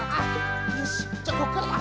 よしじゃあこっからだ。